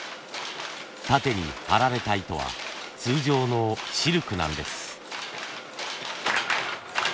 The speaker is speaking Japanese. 縦に張られた糸は通常のシルクなんです。